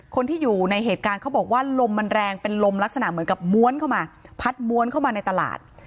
คนที่อยู่ในเหตุการณ์เขาบอกว่าลมมันแรงเป็นลมลักษณะเหมือนกับม้วนเข้ามาพัดม้วนเข้ามาในตลาด